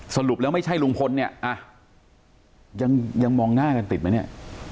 สรุปแล้วไม่ใช่ลุงพลเนี่ยยังมองหน้ากันติดไหมเนี่ย